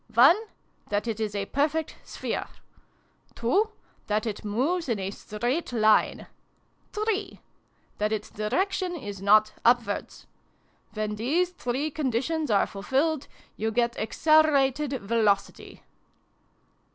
One ; that it is a perfect sphere. Two ; that it moves in a straight line. Three ; that its direction is not upwards. When these three xn] FAIRY MUSIC. 191 conditions are fulfilled, you get Accelerated Velocity."